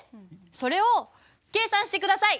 それを計算して下さい！